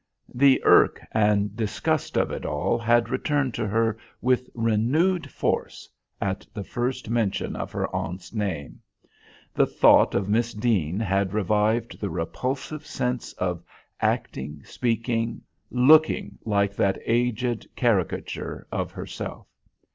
The irk and disgust of it all had returned to her with renewed force at the first mention of her aunt's name. The thought of Miss Deane had revived the repulsive sense of acting, speaking, looking like that aged caricature of herself.